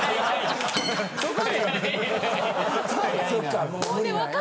そっか。